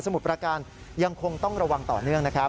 มุดประการยังคงต้องระวังต่อเนื่องนะครับ